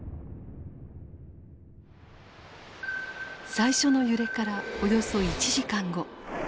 最初の揺れからおよそ１時間後。